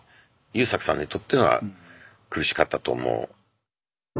優作さんにとっては苦しかったと思う。